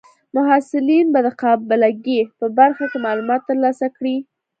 محصلین به د قابله ګۍ په برخه کې معلومات ترلاسه کړي.